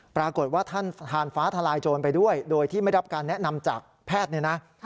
ปรากฏว่าท่านทานฟ้าทลายโจรไปด้วยโดยที่ไม่รับการแนะนำจากแพทย์เนี่ยนะ